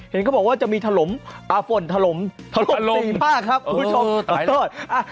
เห็นเขาบอกว่าจะมีถลมฝนถลม๔ภาคครับคุณผู้ชม